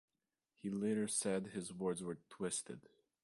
He later said his words were "twisted".